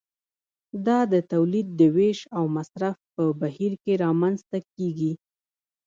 دا د تولید د ویش او مصرف په بهیر کې رامنځته کیږي.